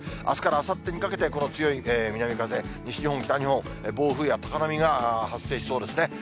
あすからあさってにかけて、この強い南風、西日本、北日本、暴風や高波が発生しそうですね。